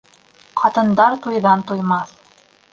Ҡатындар туйҙан туймаҫ.